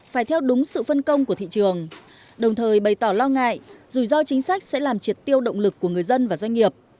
phải theo đúng sự phân công của thị trường đồng thời bày tỏ lo ngại rủi ro chính sách sẽ làm triệt tiêu động lực của người dân và doanh nghiệp